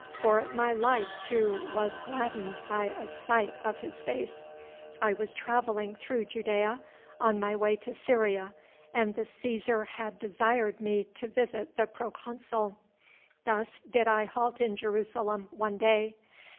for my life too was gladdened by a sight of His face. I was travelling through Judæa, on my way to Syria, and the Cæsar had desired me to visit the proconsul. Thus did I halt in Jerusalem one day.